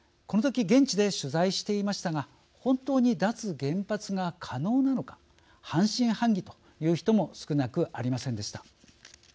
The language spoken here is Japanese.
このとき現地で取材していましたが本当に脱原発が可能なのか半信半疑という人も少なくありませんでした。